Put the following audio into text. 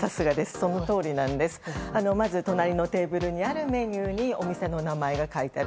そのとおりでまず、隣のテーブルにあるメニューにお店の名前が書いてある。